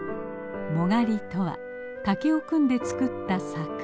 「もがり」とは竹を組んで作った柵。